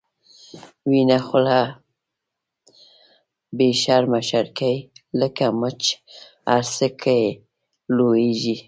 ويته خوله بی شرمه شرګی، لکه مچ هر څه کی لويږی